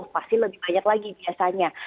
pasti lebih banyak lagi biasanya